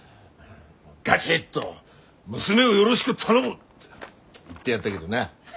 ガチッと「娘をよろしく頼む！」って言ってやったげどな。